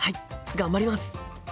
頑張ります。